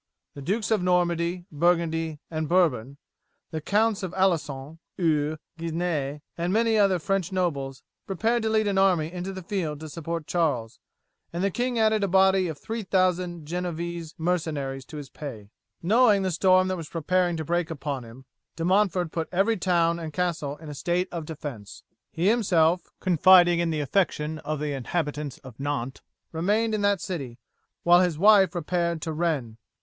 The Dukes of Normandy, Burgundy, and Bourbon, the Counts of Alencon, Eu, and Guisnes, and many other French nobles, prepared to lead an army into the field to support Charles, and the king added a body of 3000 Genoese mercenaries in his pay. "Knowing the storm that was preparing to break upon him, De Montford put every town and castle in a state of defence. He himself, confiding in the affection of the inhabitants of Nantes, remained in that city, while his wife repaired to Rennes.